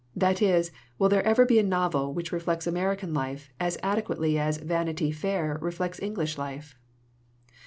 That is, will there ever be a novel which reflects American life as adequately as Vanity Fair reflects English life?"